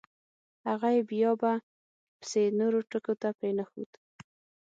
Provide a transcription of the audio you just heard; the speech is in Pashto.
هغه یې بیا به … پسې نورو ټکو ته پرېنښود.